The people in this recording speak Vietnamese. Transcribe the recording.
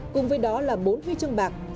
cùng với đó là bốn huy chương bạc